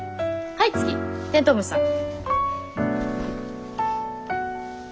はい次テントウムシさん。